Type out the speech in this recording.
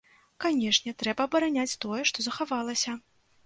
Канешне, трэба абараняць тое, што захавалася.